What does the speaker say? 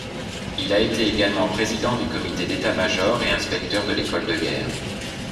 Il a été également président du comité d'état-major et inspecteur de l'école de guerre.